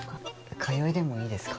通いでもいいですか？